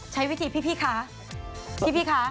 ใช้วิธีพี่คะพี่คะ